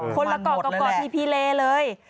คนละเกาะกับเกาะพีเลย